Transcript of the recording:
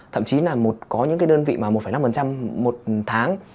thậm chí là có những cái đơn vị mà một năm một tháng